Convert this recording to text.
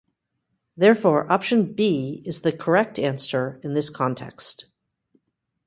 Therefore, option b is the correct answer in this context.